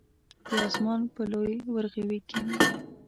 د اسمان په لوی ورغوي کې مې